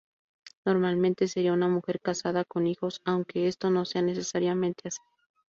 Normalmente, sería una mujer casada con hijos, aunque esto no sea necesariamente así.